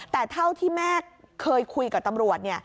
แต่เท่าที่แม่เคยคุยกับตำรวจเนี่ย